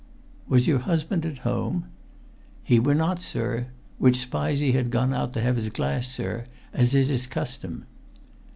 "Was your husband at home?" "He were not, sir. Which Spizey had gone out to have his glass, sir as is his custom."